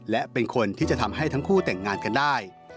และเป็นคนที่จะทำให้ทั้งคู่แต่งงานกันได้